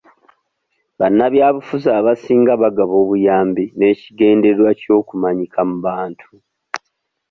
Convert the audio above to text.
Bannabyabufuzi abasinga bagaba obuyambi n'ekigendererwa ky'okumanyika mu bantu.